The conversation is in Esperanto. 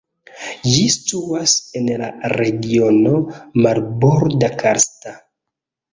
Ĝi situas en la Regiono Marborda-Karsta.